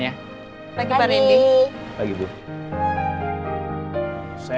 makasih banyak ya pak rendy juga terima kasih banyak menemani mama saya